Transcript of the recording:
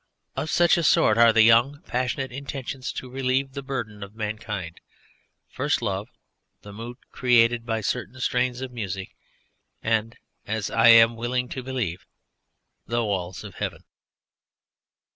Of such a sort are the young passionate intentions to relieve the burden of mankind, first love, the mood created by certain strains of music, and as I am willing to believe the Walls of Heaven.